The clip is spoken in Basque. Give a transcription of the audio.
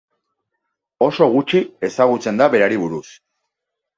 Oso gutxi ezagutzen da berari buruz.